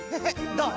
どう？